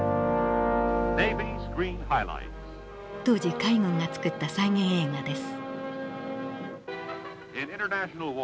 当時海軍が作った再現映画です。